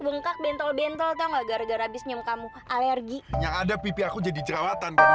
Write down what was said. bengkak bentol bentol tahu gak gara gara abis nyum kamu alergi yang ada pipi aku jadi jerawatan kamu